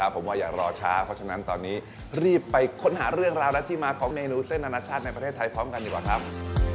ผมว่าอย่ารอช้าเพราะฉะนั้นตอนนี้รีบไปค้นหาเรื่องราวและที่มาของเมนูเส้นอนาชาติในประเทศไทยพร้อมกันดีกว่าครับ